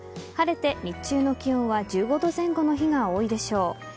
晴れて日中の気温は１５度前後の日が多いでしょう。